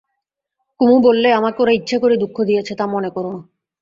কুমু বললে, আমাকে ওরা ইচ্ছে করে দুঃখ দিয়েছে তা মনে করো না।